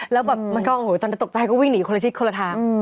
และแบบมันก็ตอนเลยตกใจก็วิ่งหนีคนละที่คนละทั้ง